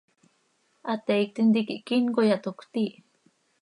¿Hateiictim tiquih quíncoya, toc cötiih?